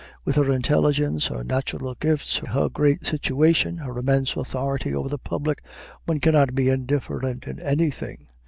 With her intelligence, her natural gifts, her great situation, her immense authority over the public, one cannot be indifferent in anything.